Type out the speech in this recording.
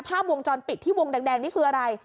ภาพวงจรปิดที่วงแดงนี่คืออะไร